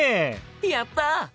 やった！